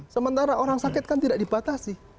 sementara orang sakit kan tidak dibatasi